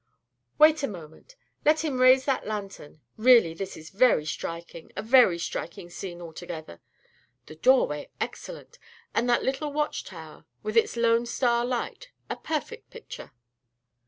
"Wait a moment. Just let him raise that lantern. Really this is very striking a very striking scene altogether. The doorway excellent, and that little watch tower, with its lone star light, a perfect picture."